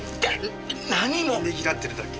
ねぎらってるだけ。